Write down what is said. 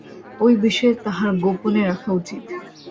ঐ বিষয় তাঁহার গোপনে রাখা উচিত।